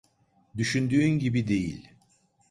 Düşündüğün gibi değil.